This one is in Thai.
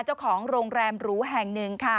เจ้าของโรงแรมหรูแห่งหนึ่งค่ะ